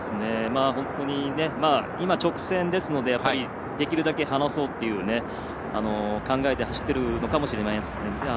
今、直線ですのでできるだけ離そうという考えで走っているのかもしれません。